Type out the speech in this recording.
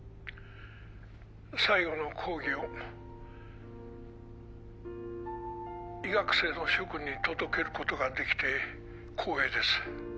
最後の講義を医学生の諸君に届けることができて光栄です